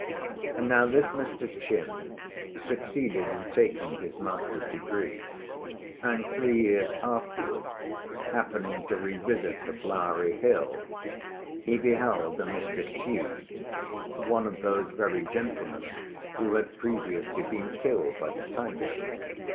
Now this Mr. Chin succeeded in taking his master's degree; and three years afterwards, happening to revisit the Flowery Hill, he beheld a Mr. Chi, one of those very gentlemen who had previously been killed by the tiger.